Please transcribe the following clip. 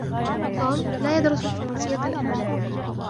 توم لا يدرس الفرنسية الآن.